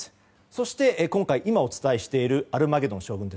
そして今回今お伝えしているアルマゲドン将軍